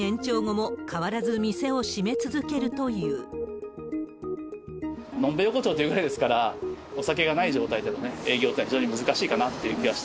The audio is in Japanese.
のんべい横丁というぐらいですから、お酒がない状態での営業というのは非常に難しいかなという気がし